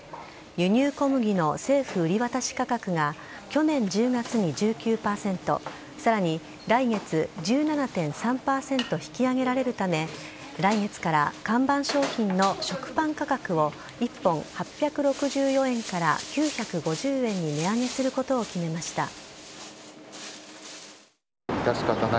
輸入小麦の政府売り渡し価格が、去年１０月に１９％、さらに来月、１７．３％引き上げられるため、来月から看板商品の食パン価格を、１本８６４円から９５０円に値上げすることを決めました。